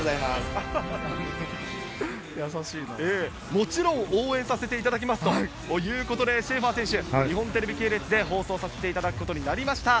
もちろん応援させていただきますということで、日本テレビ系列で放送させていただくことになりました。